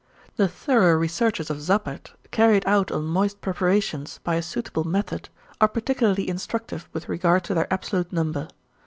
The thorough researches of Zappert, carried out on moist preparations by a suitable method, are particularly instructive with regard to their absolute number.